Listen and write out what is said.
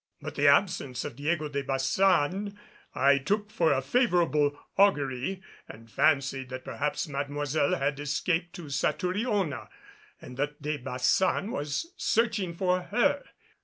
But the absence of Diego de Baçan I took for a favorable augury, and fancied that perhaps Mademoiselle had escaped to Satouriona and that De Baçan was searching for her.